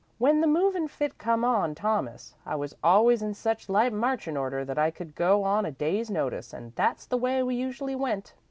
When the movin' fit come on Thomas, I was always in such light marchin' order that I could go on a day's notice, an' that's the way we usually went.